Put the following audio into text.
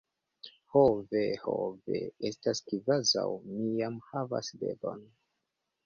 Ho ve, ho ve! Estas kvazaŭ mi jam havas bebon.